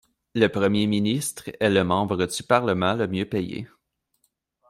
Le Premier ministre est le membre du Parlement le mieux payé.